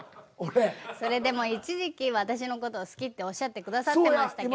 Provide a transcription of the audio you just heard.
それでも一時期私の事好きっておっしゃってくださってましたけど